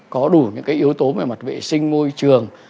có đủ những cái yếu tố về mặt vệ sinh môi trường